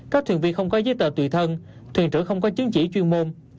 các thuyền viên không có giấy tờ tùy thân thuyền trưởng không có chứng chỉ chuyên môn